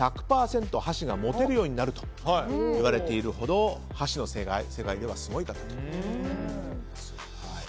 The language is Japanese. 箸が持てるようになるといわれているほど箸の世界ではすごい方です。